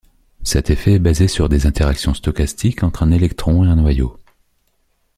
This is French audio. Cet effet est basé sur des interactions stochastiques entre un électron et un noyau.